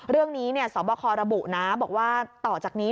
เรื่องนี้สมบัติคอร์ระบุนะบอกว่าต่อจากนี้